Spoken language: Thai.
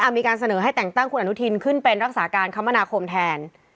มีการเสนอให้แต่งตั้งคุณอนุทินขึ้นเป็นรักษาการคมนาคมแทน